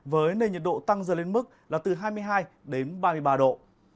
với nền nhiệt độ tăng dần lên mức là từ hai mươi hai đến ba mươi ba độ